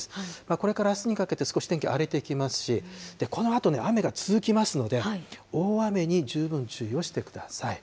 これからあすにかけて、少し天気荒れてきますし、このあとね、雨が続きますので、大雨に十分注意をしてください。